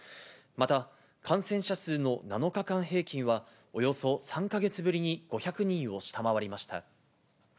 また、感染者数の７日間平均はおよそ３か月ぶりに５００人を下回りました。